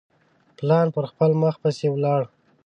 پلان پر خپل مخ پسي ولاړ.